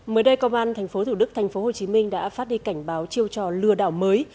mới đây công an tp thủ đức tp hồ chí minh đã phát đi cảnh báo chiêu trò lừa đảo mới